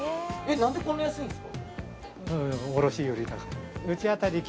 何でこんな安いんですか？